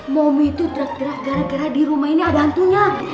momi itu tergerak gara gara di rumah ini ada hantunya